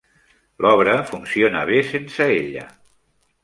L'obra funciona bé sense ella.